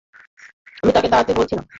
আমি তোকে দাঁড়াতে বলছি না?